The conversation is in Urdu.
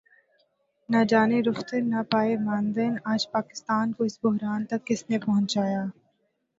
نہ جائے رفتن نہ پائے ماندن آج پاکستان کو اس بحران تک کس نے پہنچایا؟